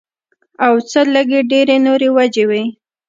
او څۀ لږې ډېرې نورې وجې وي